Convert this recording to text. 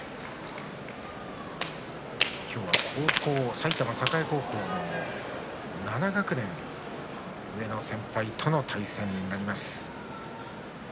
今日は埼玉栄高校の７学年上の先輩との対戦になります。